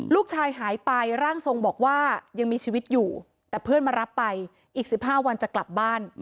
ลูกชายหายไปร่างทรงบอกว่ายังมีชีวิตอยู่แต่เพื่อนมารับไปอีก๑๕วันจะกลับบ้าน